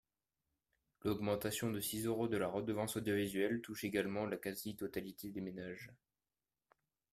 L’augmentation de six euros de la redevance audiovisuelle touche également la quasi-totalité des ménages.